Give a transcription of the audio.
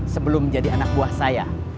sebelum jadi anak buah saya